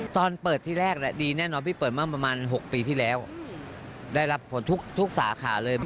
ตอนเปิดที่แรกดีแน่นอนพี่เปิดเมื่อประมาณ๖ปีที่แล้วได้รับผลทุกสาขาเลย